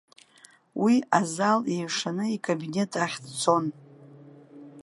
Уи азал еиҩшаны икабинет ахь дцон.